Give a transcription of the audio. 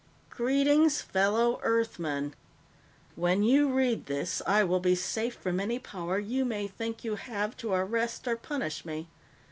"Greetings, fellow Earthmen: When you read this, I will be safe from any power you may think you have to arrest or punish me.